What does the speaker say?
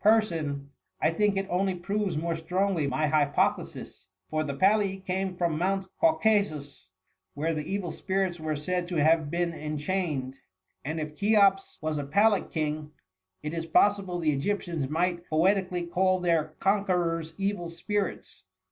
195 son, I think it only proves more strongly my hypothesis; for the Palli came from Mount Caucasus, where the evil spirits were said to have been enchained^ and if Cheops was aPallic king, it is possible the Egyptians might poeti cally call their conquerors evil spirits.''